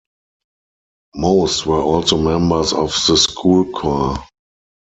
Most were also members of the school choir.